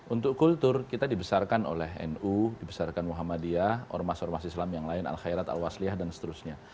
untuk kultur kita dibesarkan oleh nu dibesarkan muhammadiyah ormas ormas islam yang lain al khairat al wasliyah dan seterusnya